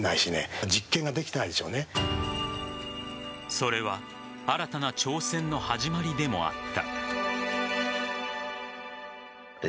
それは新たな挑戦の始まりでもあった。